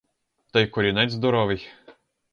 Та й корінець здоровий!